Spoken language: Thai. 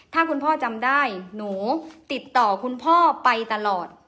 ถ้าคุณพ่อจำได้หนูติดต่อคุณพ่อไปตลอด